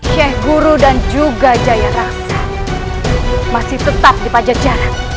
sheikh guru dan juga jaya raska masih tetap di pajak jarak